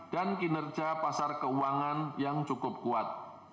dan kinerja pasar keuangan yang cukup kuat